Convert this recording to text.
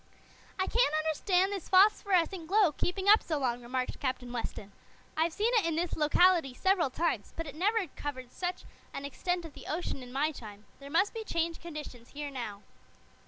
"I can't understand this phosphorescent glow keeping up so long," remarked Captain Weston. "I've seen it in this locality several times, but it never covered such an extent of the ocean in my time. There must be changed conditions here now."